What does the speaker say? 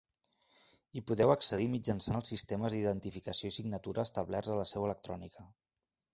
Hi podeu accedir mitjançant els sistemes d'identificació i signatura establerts a la Seu Electrònica.